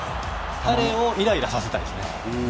彼をイライラさせたいですね。